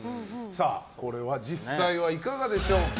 これは実際はいかがでしょうか。